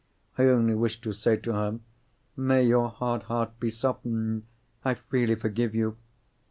I only wished to say to her, "May your hard heart be softened! I freely forgive you!"